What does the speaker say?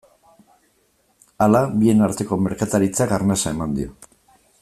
Hala, bien arteko merkataritzak arnasa eman dio.